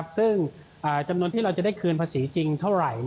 ซึ่งจำนวนที่เราจะได้คืนภาษีจริงเท่าไหร่